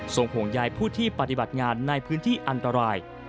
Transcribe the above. ห่วงใยผู้ที่ปฏิบัติงานในพื้นที่อันตราย